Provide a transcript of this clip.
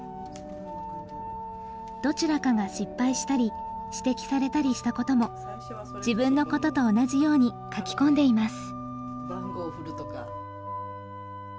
どちらかが失敗したり指摘されたりしたことも自分のことと同じように書き込んでいます。